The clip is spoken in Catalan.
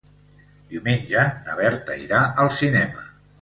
Diumenge na Berta irà al cinema.